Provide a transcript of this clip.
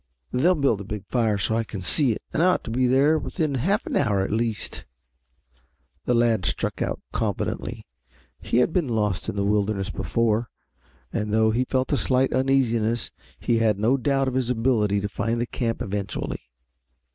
They'll build a big fire so I can see it and I ought to be there within half an hour at least." The lad struck out confidently. He had been lost in the wilderness before, and though he felt a slight uneasiness he had no doubt of his ability to find the camp eventually.